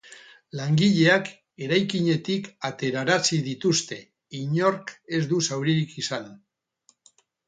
Langileak eraikinetik aterarazi dituzte, inork ez du zauririk izan.